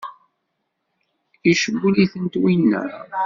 Icewwel-itent winna?